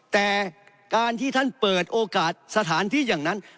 แต่การที่ท่านเปิดโอกาสสถานที่อย่างนั้น